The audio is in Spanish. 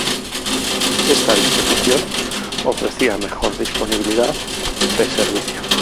Esta distribución ofrecía mejor disponibilidad de servicio.